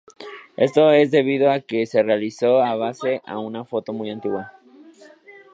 Esto es debido a que se realizó en base a una foto muy antigua.